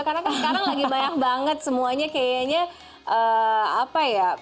karena kan sekarang lagi banyak banget semuanya kayaknya apa ya